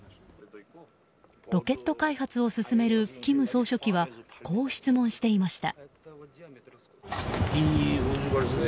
ロケット開発を進める金総書記はこう質問していました。